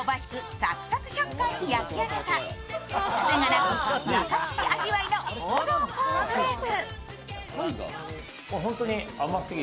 サクサク食感に焼き上げた癖がなく優しい味わいの王道コーンフレーク。